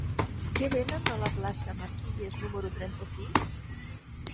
Què venen a la plaça de Marquilles número trenta-sis?